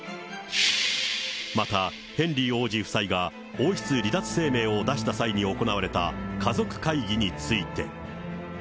またヘンリー王子夫妻が王室離脱声明を出した際に行われた家族会議について。